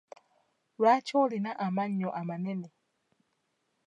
Lwaki olina amannyo amanene?